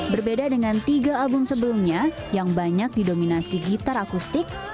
berbeda dengan tiga album sebelumnya yang banyak didominasi gitar akustik